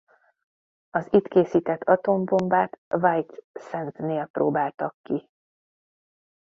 Az itt készített atombombát White Sandsnél próbáltak ki.